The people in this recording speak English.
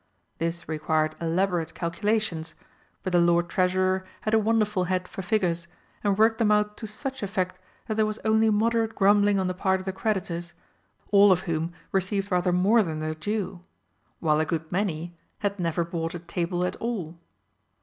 This required elaborate calculations, but the Lord Treasurer had a wonderful head for figures, and worked them out to such effect that there was only moderate grumbling on the part of the creditors, all of whom received rather more than their due, while a good many had never bought a table at all.